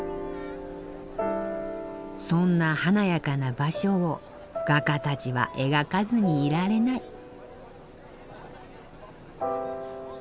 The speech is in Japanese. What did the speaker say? そんな華やかな場所を画家たちは描かずにいられない。